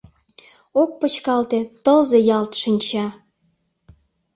Ок пычкалте, тылзе ялт, шинча.